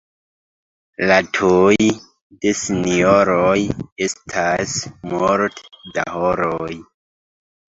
La "tuj" de sinjoroj estas multe da horoj.